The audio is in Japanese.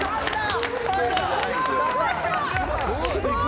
すごい！」